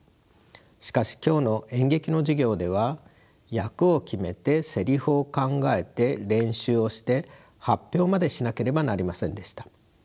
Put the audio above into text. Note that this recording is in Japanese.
しかし今日の演劇の授業では役を決めてせりふを考えて練習をして発表までしなければなりませんでした。